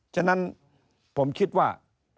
ฉะนั้นผมคิดว่า